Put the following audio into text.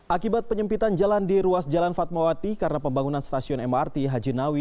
akibat penyempitan jalan di ruas jalan fatmawati karena pembangunan stasiun mrt haji nawi